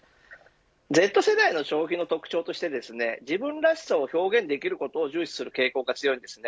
Ｚ世代の消費の特徴として自分らしさを表現できることを重視する傾向が強いです。